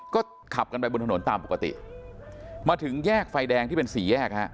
ก็ขับกันไปบนถนนตามปกติมาถึงแยกไฟแดงที่เป็นสี่แยกฮะ